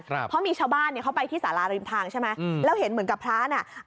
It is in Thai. เพราะมีชาวบ้านเนี้ยเขาไปที่สาราริมทางใช่ไหมอืมแล้วเห็นเหมือนกับพระน่ะ